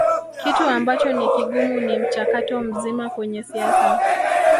Kitu ambacho ni kigumu ni mchakato mzima kwenye siasa